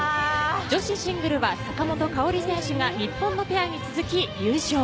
女子シングルは坂本花織選手が日本のペアに続き優勝。